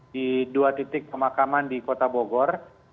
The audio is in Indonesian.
di dua titik pemakaman di kota bogor